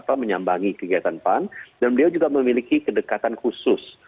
kita menyambangi kegiatan pan dan beliau juga memiliki kedekatan khusus